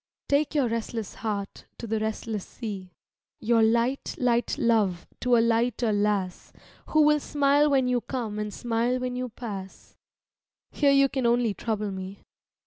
j Take your restless heart to the restless sea, Your light, light love to a lighter lass Vigils Who will smile when you come and smile when you pass. Here you can only trouble me.